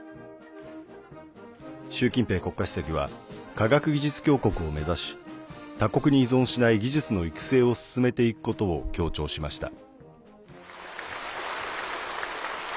習近平国家主席は科学技術強国を目指し他国に依存しない技術の育成を進めていくことを強調しました。